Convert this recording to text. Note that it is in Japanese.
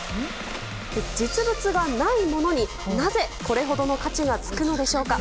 実物がないものになぜ、これほどの価値がつくのでしょうか。